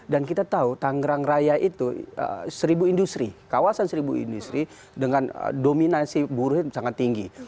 dan kita tahu tangerang raya itu seribu industri kawasan seribu industri dengan dominasi buruhnya sangat tinggi